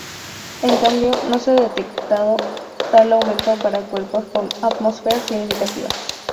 En cambio, no se ha detectado tal aumento para cuerpos con atmósferas significativas.